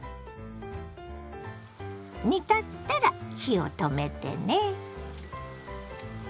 煮立ったら火を止めてね。